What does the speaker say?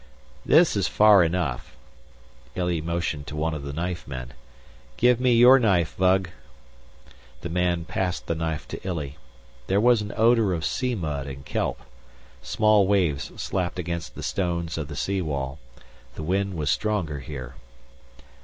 "This is far enough," Illy motioned to one of the knife men. "Give me your knife, Vug." The man passed his knife to Illy. There was an odor of sea mud and kelp. Small waves slapped against the stones of the sea wall. The wind was stronger here.